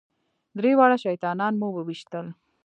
درې واړه شیطانان مو وويشتل.